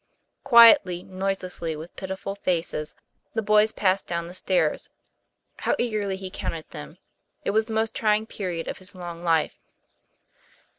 Quietly, noiselessly, with pitiful faces, the boys passed down the stairs. How eagerly he counted them. It was the most trying period of his long life.